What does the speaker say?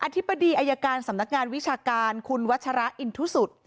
ธิบดีอายการสำนักงานวิชาการคุณวัชระอินทุสุทธิ์